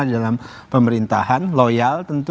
dalam pemerintahan loyal tentu